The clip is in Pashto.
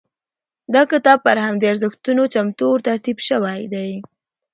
دا کتاب پر همدې ارزښتونو چمتو او ترتیب شوی دی.